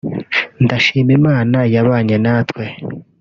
ndashima Imana yabanye natwe